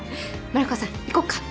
丸川さん行こっか。